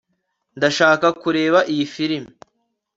Ndashaka kureba iyi film